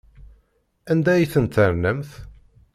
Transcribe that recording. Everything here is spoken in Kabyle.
Anda ay tent-ternamt?